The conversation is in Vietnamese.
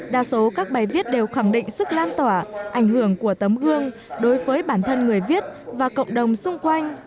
đa số các bài viết đều khẳng định sức lan tỏa ảnh hưởng của tấm gương đối với bản thân người viết và cộng đồng xung quanh